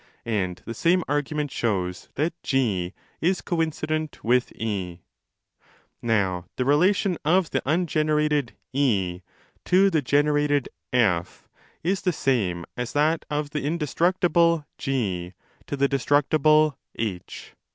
And the same argument shows that G is coincident with £. Now the relation of the ungenerated (£) to the generated (1) is the same as that of the indestructible (6) to the de structible (47).